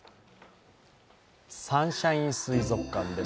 サンシャイン水族館です。